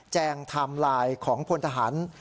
งไทม์ไลน์ของพลทหาร